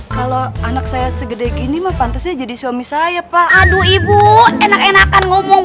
kalau anak saya segede gini mah pantasnya jadi suami saya pak aduh ibu enak enakan ngomong